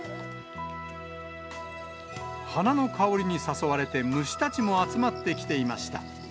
花の香りに誘われて、虫たちも集まってきていました。